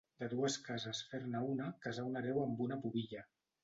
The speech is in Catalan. De dues cases fer-ne una: casar un hereu amb una pubilla.